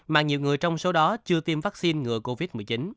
mà nhiều người trong số đó chưa tiêm vaccine ngừa covid một mươi chín